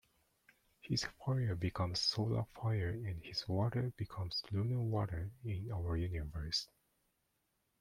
His Fire becomes Solar fire and his Water becomes Lunar water in our universe.